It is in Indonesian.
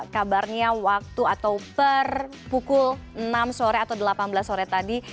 kabarnya waktu atau per pukul enam sore atau delapan belas sore tadi